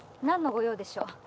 何の御用でしょう？